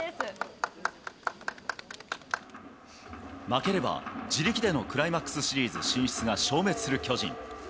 負ければ自力でのクライマックスシリーズ進出が消滅する巨人。